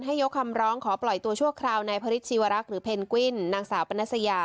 ยกคำร้องขอปล่อยตัวชั่วคราวในพระฤทธชีวรักษ์หรือเพนกวิ้นนางสาวปนัสยา